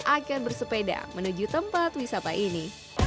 akan bersepeda menuju tempat wisata ini